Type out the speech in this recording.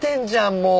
もう。